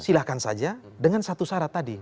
silahkan saja dengan satu syarat tadi